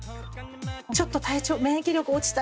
ちょっと免疫力落ちた。